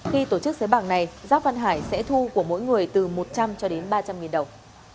khi tổ chức giới bảng này giáp văn hải sẽ thu của mỗi người từ một trăm linh cho đến ba trăm linh nghìn đồng